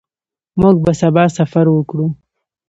موږ به سبا سفر وکړو.